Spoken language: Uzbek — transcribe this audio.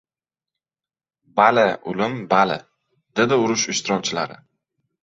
— Bali, ulim, bali! — dedi urush ishtirokchilari.